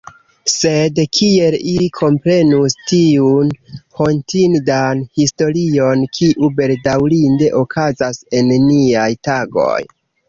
Sed kiel ili komprenus tiun hontindan historion, kiu bedaŭrinde okazas en niaj tagoj?